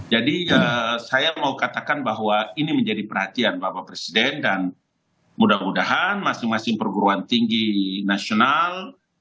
jadi saya mau katakan bahwa ini menjadi perhatian bapak presiden dan mudah mudahan masing masing perguruan tinggi nasional